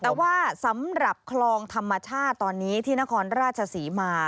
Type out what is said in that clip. แต่ว่าสำหรับคลองธรรมชาติตอนนี้ที่นครราชศรีมา